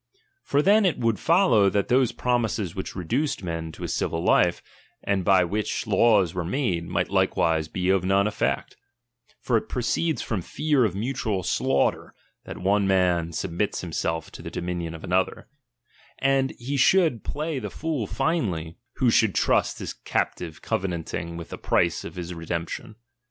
For then it would follow, that those promises which reduced men to a civil life, and by which laws were made, might likewise be of none effect ; (for it pro ceeds from fear of mutual slaughter, that one man submits himself to the dominion of another) ; and he should play the fool finely, who should trust his captive covenanting with the price of his redemp tion.